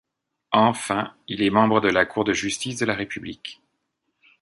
Enfin, il est membre de la Cour de justice de la République.